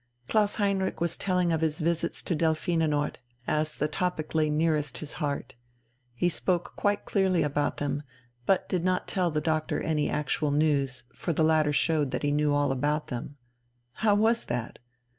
Klaus Heinrich was telling of his visits to "Delphinenort," as this topic lay nearest his heart. He spoke quite clearly about them, but did not tell the doctor any actual news, for the latter showed that he knew all about them. How was that?